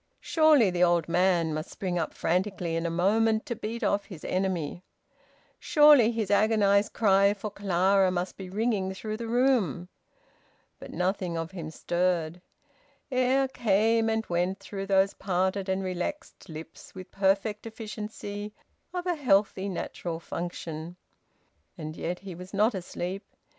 Surely the old man must spring up frantically in a moment, to beat off his enemy! Surely his agonised cry for Clara must be ringing through the room! But nothing of him stirred. Air came and went through those parted and relaxed lips with the perfect efficiency of a healthy natural function. And yet he was not asleep.